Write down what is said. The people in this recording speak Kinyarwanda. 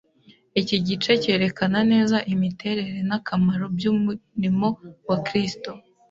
Iki gice cyerekana neza imiterere n’akamaro by’umurimo wa Kristo.